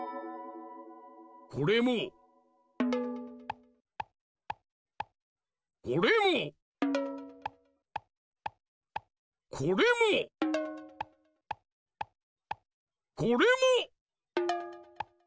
これもこれもこれもこれも！